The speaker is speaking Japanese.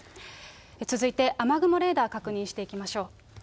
続いて雨雲レーダー、確認していきましょう。